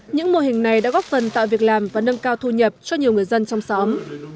những mô hình này đã góp phần tạo việc làm và nâng cao thu nhập cho nhiều người dân trong xóm